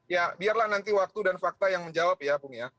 ya biarlah nanti waktu dan fakta yang menjawab ya bung ya